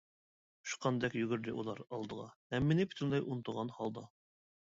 ئۇچقاندەك يۈگۈردى ئۇلار ئالدىغا، ھەممىنى پۈتۈنلەي ئۇنتۇغان ھالدا.